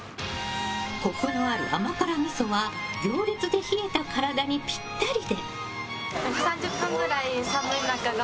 コクのある甘辛みそは行列に冷えた体にぴったりで。